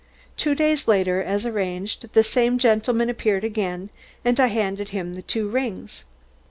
Two days later, as arranged, the same gentleman appeared again and I handed him the two rings.